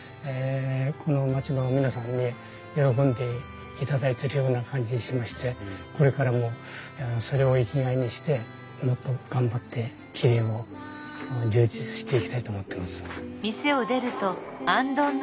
この町の皆さんに喜んでいただいてるような感じしましてこれからもそれを生きがいにしてもっと頑張って切り絵も充実していきたいと思ってます。